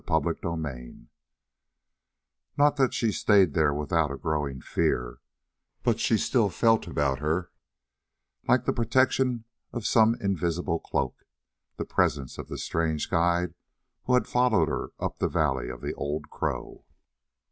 CHAPTER 29 Not that she stayed there without a growing fear, but she still felt about her, like the protection of some invisible cloak, the presence of the strange guide who had followed her up the valley of the Old Crow.